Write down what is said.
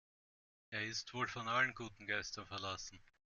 Er ist wohl von allen guten Geistern verlassen.